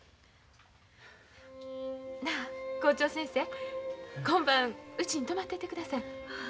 なあ校長先生今晩うちに泊まってってください。